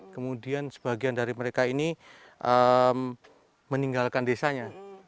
kemudian sebagian dari mereka ini meninggalkan desanya